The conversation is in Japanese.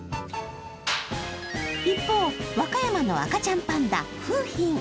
一方、和歌山の赤ちゃんパンダ、楓浜。